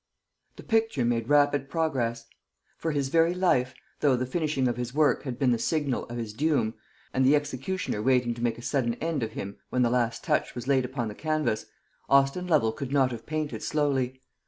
The picture made rapid progress. For his very life though the finishing of his work had been the signal of his doom, and the executioner waiting to make a sudden end of him when the last touch was laid upon the canvas, Austin Lovel could not have painted slowly.